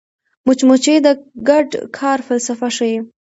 مچمچۍ د ګډ کار فلسفه ښيي